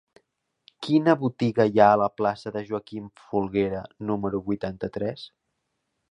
Quina botiga hi ha a la plaça de Joaquim Folguera número vuitanta-tres?